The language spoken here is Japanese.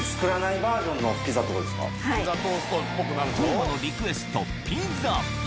當真のリクエストピザ